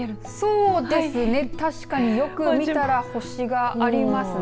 そうですね、確かによく見たら星がありますね。